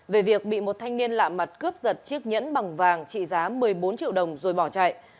về việc bị một thanh niên lạ mặt cướp giật chiếc nhẫn bằng vàng trị giá một mươi bốn triệu đồng rồi bỏ chạy